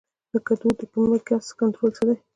د کدو د مګس کنټرول څنګه دی؟